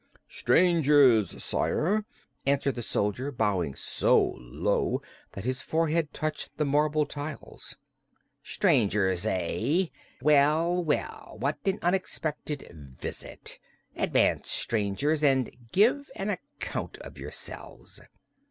"Strangers, Sire," answered the soldier, bowing so low that his forehead touched the marble tiles. "Strangers, eh? Well, well; what an unexpected visit! Advance, strangers, and give an account of yourselves."